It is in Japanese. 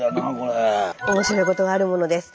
面白いことがあるものです。